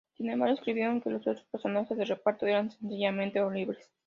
Sin embargo, escribieron que los otros personajes de reparto eran "sencillamente horribles".